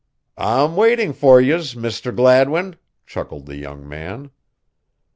"I'm waiting for yez, Misther Gladwin," chuckled the young man.